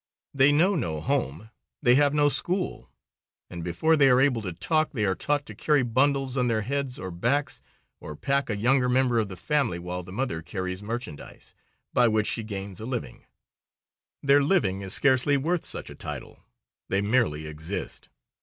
They know no home, they have no school, and before they are able to talk they are taught to carry bundles on their heads or backs, or pack a younger member of the family while the mother carries merchandise, by which she gains a living. Their living is scarcely worth such a title. They merely exist.